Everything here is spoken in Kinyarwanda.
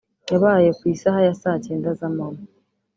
yabaye ku isaha ya saa cyenda z’amanywa